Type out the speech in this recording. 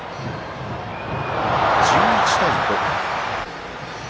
１１対５。